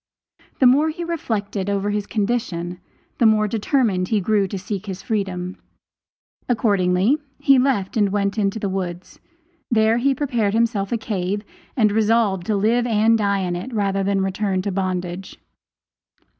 The more he reflected over his condition the more determined he grew to seek his freedom. Accordingly he left and went to the woods; there he prepared himself a cave and resolved to live and die in it rather than return to bondage.